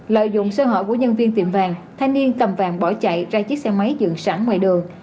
lợi dụng sơ hở của nhân viên tiệm vàng thanh niên cầm vàng bỏ chạy ra chiếc xe máy dựng sẵn ngoài đường